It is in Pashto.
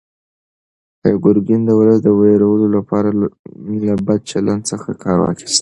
ګورګین د ولس د وېرولو لپاره له بد چلند څخه کار اخیست.